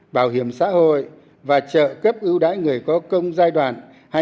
bảo hiểm xã hội và trợ cấp ưu đãi người có công giai đoạn hai nghìn ba hai nghìn bảy